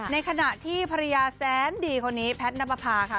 ในขณะที่ภรรยาแสนดีคนนี้แพทย์นับประพาค่ะ